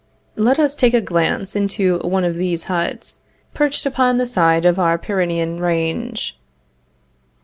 Let us take a glance into one of these huts, perched upon the side of our Pyrenean range.